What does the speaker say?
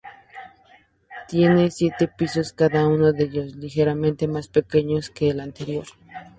Tiene siete pisos, cada uno de ellos ligeramente más pequeño que el anterior.